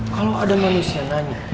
kalo ada manusia nanya